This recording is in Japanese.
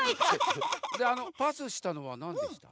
であのパスしたのはなんでした？